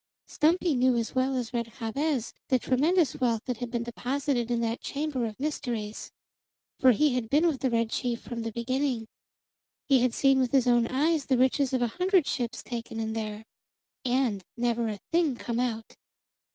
Stumpy knew as well as Red Jabez the tremendous wealth that had been deposited in that chamber of mysteries; for he had been with the red chief from the beginning; he had seen with his own eyes the riches of a hundred ships taken in there, and never a thing come out.